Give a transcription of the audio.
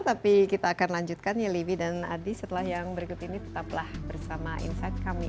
tapi kita akan lanjutkan ya livi dan adi setelah yang berikut ini tetaplah bersama insight kami